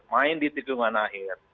main di titikungan akhir